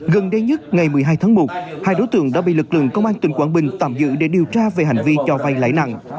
gần đây nhất ngày một mươi hai tháng một hai đối tượng đã bị lực lượng công an tỉnh quảng bình tạm giữ để điều tra về hành vi cho vay lãi nặng